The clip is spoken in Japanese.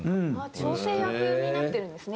調整役になってるんですね。